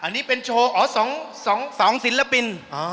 อันนี้เป็นโชว์อ๋อ๒ศิลปิน